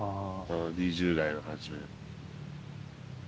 うん２０代の初め。